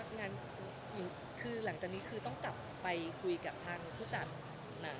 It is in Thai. ก็แสดงว่างานคือหลังจากนี้คือต้องกลับไปคุยกับทางผู้ต่างหลาน